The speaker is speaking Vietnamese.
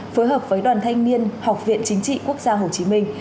phối hợp với đoàn thanh niên học viện chính trị quốc gia hồ chí minh